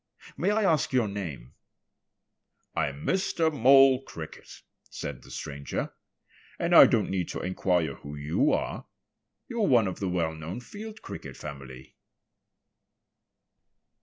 May I ask your name?" "I'm Mr. Mole Cricket," said the stranger. "And I don't need to inquire who you are. You're one of the well known Field Cricket family."